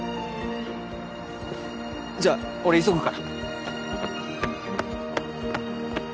じゃあ俺急ぐから！